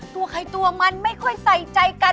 ตัวใครตัวมันไม่ค่อยใส่ใจกัน